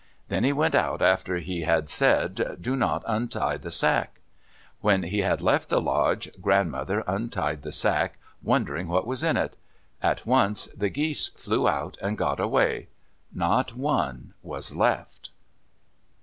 Then he went out after he had said, "Do not untie the sack." When he had left the lodge, Grandmother untied the sack, wondering what was in it. At once the geese flew out and got away. Not one was left.